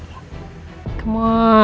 semakin dia berlarut larut dalam hal ini